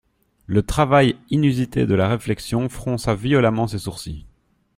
Le travail inusité de la réflexion fronça violemment ses sourcils.